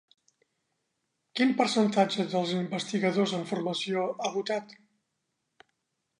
Quin percentatge dels investigadors en formació ha votat?